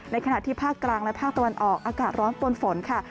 ขณะที่ภาคกลางและภาคตะวันออกอากาศร้อนปนฝนค่ะ